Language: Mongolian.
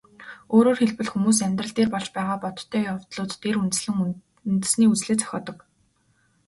Өөрөөр хэлбэл, хүмүүс амьдрал дээр болж байгаа бодтой явдлууд дээр үндэслэн үндэсний үзлээ зохиодог.